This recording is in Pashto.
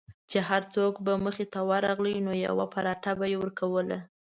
چې هر څوک به مخې ته ورغی نو یوه پراټه به یې ورکوله.